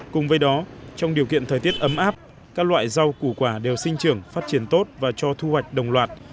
cùng với đó trong điều kiện thời tiết ấm áp các loại rau củ quả đều sinh trưởng phát triển tốt và cho thu hoạch đồng loạt